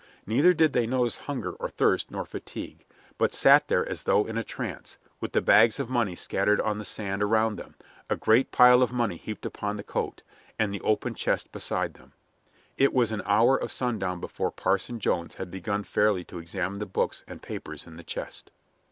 Neither did they notice hunger nor thirst nor fatigue, but sat there as though in a trance, with the bags of money scattered on the sand around them, a great pile of money heaped upon the coat, and the open chest beside them. It was an hour of sundown before Parson Jones had begun fairly to examine the books and papers in the chest.